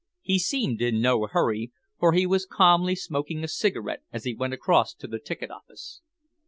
He seemed in no hurry, for he was calmly smoking a cigarette as he went across to the ticket office."